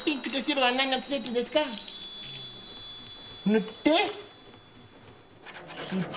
塗って。